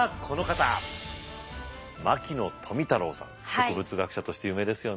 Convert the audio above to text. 植物学者として有名ですよね。